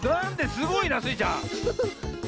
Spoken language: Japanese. すごいなスイちゃん。